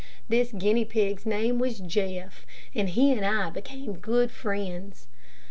This guinea pig's name was Jeff, and he and I became good friends.